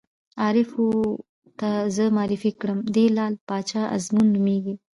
عارف ور ته زه معرفي کړم: دی لعل باچا ازمون نومېږي.